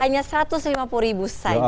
hanya rp satu ratus lima puluh saja